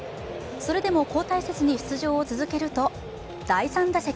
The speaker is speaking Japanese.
それでも交代せずに出場を続けると、第３打席。